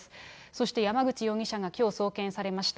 そして山口容疑者がきょう送検されました。